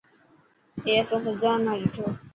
اي اسان سجا نا ڏٺو.